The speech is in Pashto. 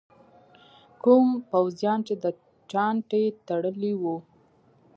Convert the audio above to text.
کوم پوځیان چې دا چانټې تړلي وو.